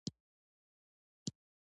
بادي انرژي د افغانستان د ملي هویت نښه ده.